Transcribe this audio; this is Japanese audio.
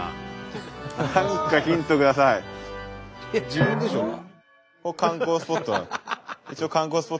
自分でしょうが。